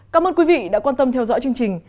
cảm ơn quý vị đã quan tâm theo dõi chương trình